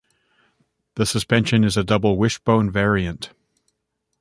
The suspension is a double wishbone variant.